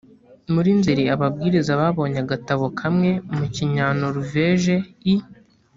muri nzeri ababwiriza babonye agatabo kamwe mu kinyanoruveje i